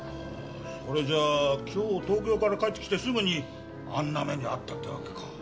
それじゃあ今日東京から帰ってきてすぐにあんな目に遭ったってわけか。